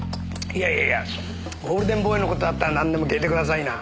いやいやいやゴールデンボーイの事だったらなんでも聞いてくださいな。